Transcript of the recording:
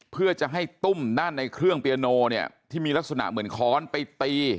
เพื่อจะให้ตุ้มด้านในเครื่องเปียโนเนี่ยที่มีลักษณะเหมือนค้อนไปตี